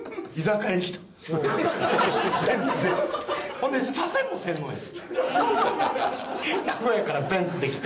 ほんでさせもせんのやで。